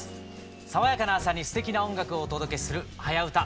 爽やかな朝にすてきな音楽をお届けする「はやウタ」